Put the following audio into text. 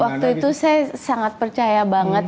waktu itu saya sangat percaya banget